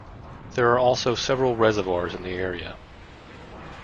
There are also several reservoirs in the area.